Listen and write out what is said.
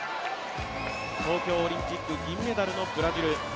東京オリンピック銀メダルのブラジル。